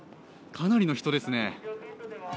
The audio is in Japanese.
かなりの人ですね。